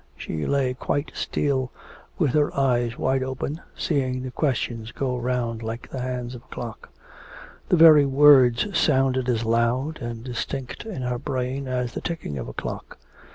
She lay quite still, with her eyes wide open, seeing the questions go round like the hands of a clock; the very words sounded as loud and distinct in her brain as the ticking of a clock.